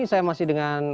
saya masih dengan